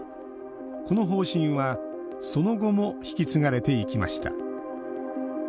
この方針はその後も引き継がれていきました